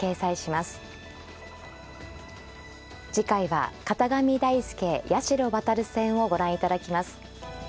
次回は片上大輔八代弥戦をご覧いただきます。